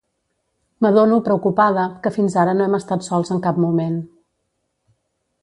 M'adono, preocupada, que fins ara no hem estat sols en cap moment.